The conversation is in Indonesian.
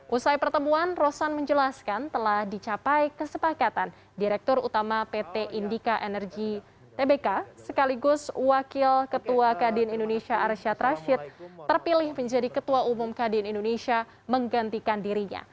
usai pertemuan rosan menjelaskan telah dicapai kesepakatan direktur utama pt indika energy tbk sekaligus wakil ketua kadin indonesia arsyad rashid terpilih menjadi ketua umum kadin indonesia menggantikan dirinya